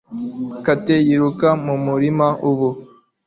Kate yiruka mu murima ubu